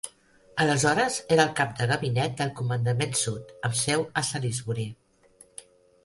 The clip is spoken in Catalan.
Aleshores era el cap de gabinet del Comandament Sud, amb seu a Salisbury.